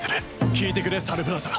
聞いてくれサルブラザー。